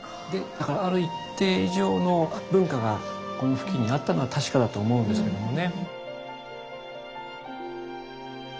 だからある一定以上の文化がこの付近にあったのは確かだと思うんですけどもね。